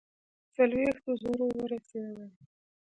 څلوېښتو زرو ورسېدی.